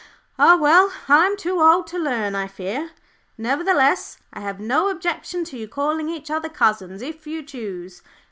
"Ah, well, I'm too old to learn, I fear. Nevertheless, I have no objection to your calling each other cousins if you choose.